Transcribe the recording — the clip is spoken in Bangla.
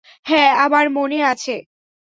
হ্যাঁ, আমার মনে আছে।